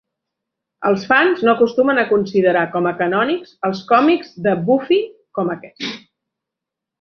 Els fans no acostumen a considerar com a canònics els còmics de Buffy com aquest.